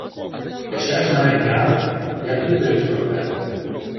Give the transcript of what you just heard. — Речеш мене князем? Як відаєш про те?